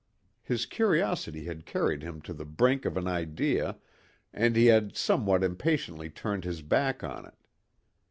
His curiosity had carried him to the brink of an idea and he had somewhat impatiently turned his back on it.